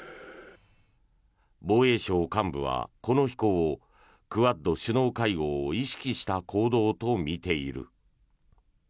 防衛省幹部はこの飛行をクアッド首脳会合を意識した行動とみている。